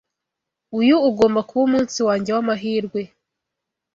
Uyu ugomba kuba umunsi wanjye wamahirwe.